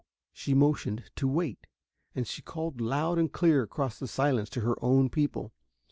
She motioned to wait, and she called loud and clear across the silence to her own people.